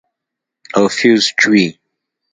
او فيوز چوي.